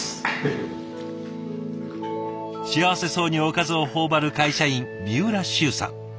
幸せそうにおかずを頬張る会社員三浦周さん。